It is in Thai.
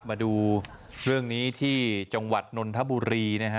มาดูเรื่องนี้ที่จังหวัดนนทบุรีนะฮะ